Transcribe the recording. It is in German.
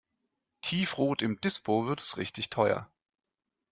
"Tiefrot im Dispo" wird es richtig teuer.